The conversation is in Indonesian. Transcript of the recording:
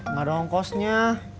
gak ada ongkosnya